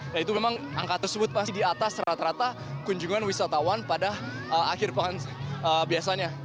nah itu memang angka tersebut pasti di atas rata rata kunjungan wisatawan pada akhir pekan biasanya